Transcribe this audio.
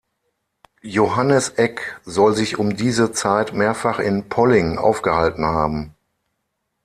Johannes Eck soll sich um diese Zeit mehrfach in Polling aufgehalten haben.